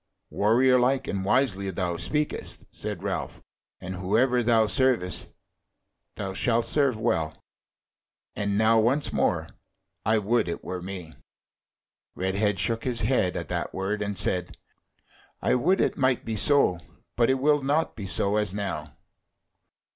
"Warrior like and wisely thou speakest," said Ralph; "and whoever thou servest thou shalt serve well. And now once more I would it were me." Redhead shook his head at that word, and said: "I would it might be so; but it will not be so as now."